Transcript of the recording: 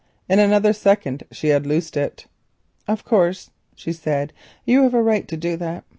In another second she had loosed it. "Of course," she said, "you have a right to do that.